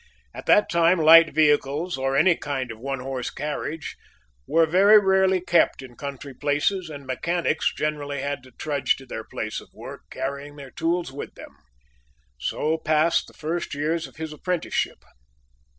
At that time light vehicles, or any kind of one horse carriage, were very rarely kept in country places, and mechanics generally had to trudge to their place of work, carrying their tools with them. So passed the first years of his apprenticeship.